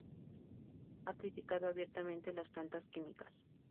Ha criticado abiertamente las plantas químicas.